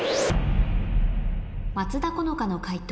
松田好花の解答